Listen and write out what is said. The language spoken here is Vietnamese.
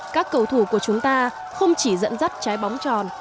các cầu thủ của chúng ta không chỉ dẫn dắt trái bóng tròn